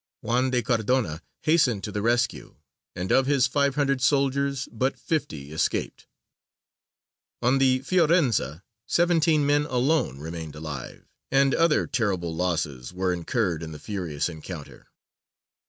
Juan de Cardona hastened to the rescue, and of his five hundred soldiers but fifty escaped; on the Fiorenza seventeen men alone remained alive; and other terrible losses were incurred in the furious encounter.